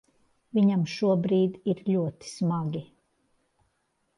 Viņam šobrīd ir ļoti smagi.